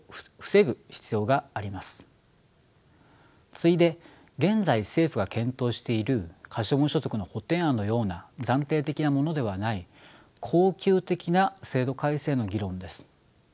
次いで現在政府が検討している可処分所得の補填案のような暫定的なものではない恒久的な制度改正の議論です。